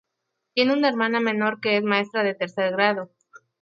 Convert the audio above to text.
Tiene una hermana menor que es maestra de tercer grado.